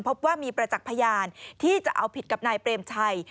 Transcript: พบว่ามีประจักษ์พยานที่จะเอาผิดกับนายเปรมชัย